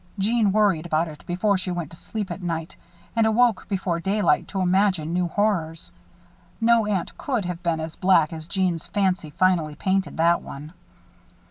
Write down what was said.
Jeanne worried about it before she went to sleep at night and awoke before daylight to imagine new horrors. No aunt could have been as black as Jeanne's fancy finally painted that one.